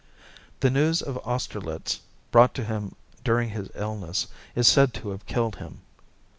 The news of Austerlitz, brought to him during his illness, is said to have killed him.